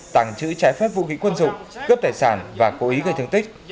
tàng trữ trái phép vũ khí quân dụng cướp tài sản và cố ý gây thương tích